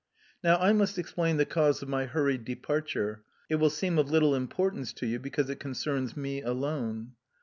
"Now I must explain the cause of my hurried departure; it will seem of little importance to you, because it concerns me alone.